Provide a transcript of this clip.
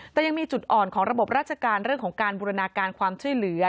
แต่ยังมีจุดอ่อนของระบบราชการเรื่องของการบูรณาการความช่วยเหลือ